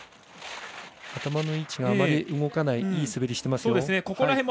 頭の位置があまり動かないいい滑り、してますよ。